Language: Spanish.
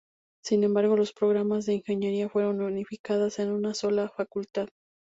Sin embargo, los programas de Ingeniería fueron unificadas en una sola facultad.